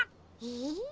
え？